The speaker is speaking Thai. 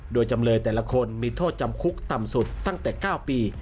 โดยจำเลยแต่ละคนมีโทษจำคุกต่ำสุดตั้งแต่๙ปี